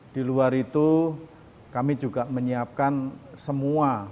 di luar itu kami juga menyiapkan semua